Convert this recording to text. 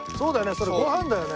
それご飯だよね。